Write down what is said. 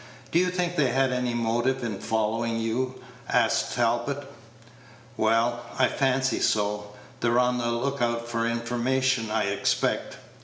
"Do you think they had any motive in following you?" asked Talbot. "Well, I fancy so; they're on the look out for information, I expect.